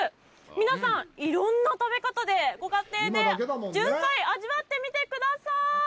皆さん、いろんな食べ方でご家庭で、ジュンサイを味わってみてください！